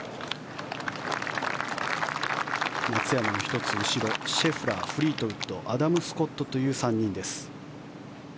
松山の１つ後ろシェフラー、フリートウッドアダム・スコットという３人です。